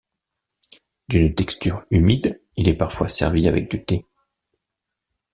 D'une texture humide, il est parfois servi avec du thé.